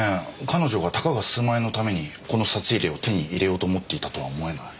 彼女がたかが数万円のためにこの札入れを手に入れようと思っていたとは思えない。